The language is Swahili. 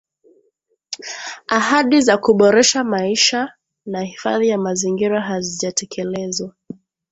Ahadi za kuboresha maisha na hifadhi ya mazingira hazijatekelezwa